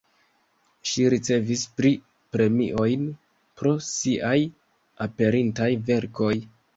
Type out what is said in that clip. Ŝi ricevis tri premiojn pro siaj aperintaj verkoj.